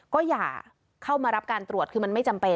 ก็อย่าเข้ามารับการตรวจคือมันไม่จำเป็น